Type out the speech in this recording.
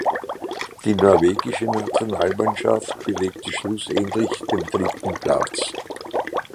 Die norwegische Nationalmannschaft belegte schlussendlich den dritten Platz.